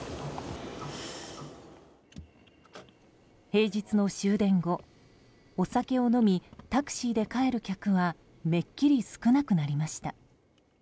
平日の終電後お酒を飲み、タクシーで帰る客はめっきり少なくなりました。